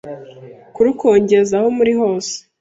kurukongeza aho muri hose